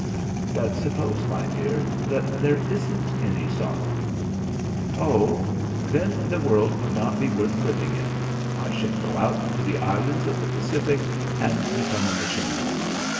"But suppose, my dear, that there isn't any sorrow " "Oh, then the world would not be worth living in, I should go out to the islands of the Pacific and become a missionary.